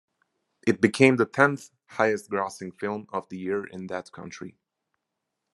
It became the tenth highest-grossing film of the year in that country.